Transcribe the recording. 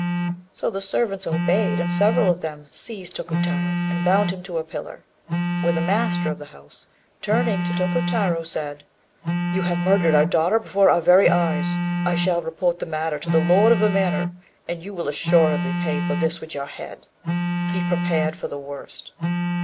So the servants obeyed, and several of them seized Tokutarô and bound him to a pillar. Then the master of the house, turning to Tokutarô, said "You have murdered our daughter before our very eyes. I shall report the matter to the lord of the manor, and you will assuredly pay for this with your head. Be prepared for the worst."